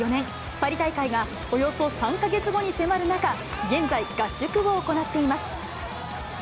パリ大会がおよそ３か月後に迫る中、現在、合宿を行っています。